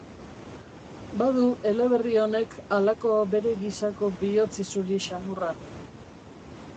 Badu eleberri honek halako bere gisako bihotz isuri xamurra.